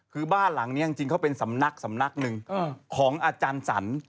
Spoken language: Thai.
คือบ้านหลังนี้จริงเขาเป็นสำนักสำนักหนึ่งของอาจารย์สรร